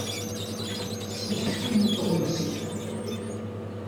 Tessencef-iyi tuɣmest.